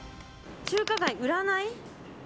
中華街占い。